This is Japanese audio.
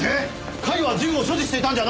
甲斐は銃を所持していたんじゃないのか！